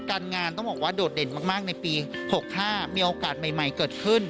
การงานต้องบอกว่าโดดเด่นมากในปี๖๕มีโอกาสใหม่เกิดขึ้น